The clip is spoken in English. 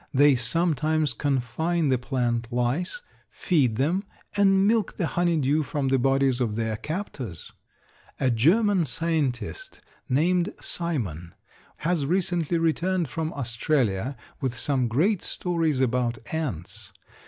They sometimes confine the plant lice, feed them, and milk the honeydew from the bodies of their captors. A German scientist named Simon, has recently returned from Australia with some great stories about ants.